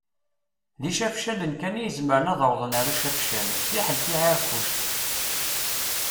D icacfalen kan i izemren ad awḍen ar ucacfal, fiḥel tiεiṛkuct.